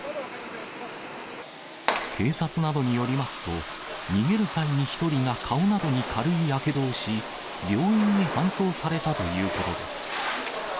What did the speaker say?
警察などによりますと、逃げる際に１人が顔などに軽いやけどをし、病院に搬送されたということです。